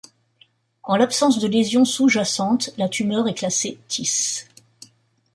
En l'absence de lésion sous-jacente la tumeur est classée Tis.